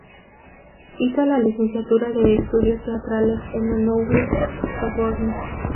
Hizo la licenciatura de Estudios Teatrales en la Nouvelle Sorbonne.